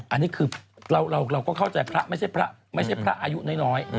อันนี้คือเราก็เข้าใจพระไม่ใช่พระอายุน้อย